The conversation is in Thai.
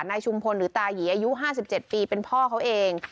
ชุมพลหรือตายีอายุ๕๗ปีเป็นพ่อเขาเอง